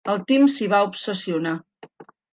El Tim s'hi va obsessionar.